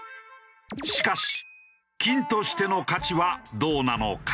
しかし金としての価値はどうなのか？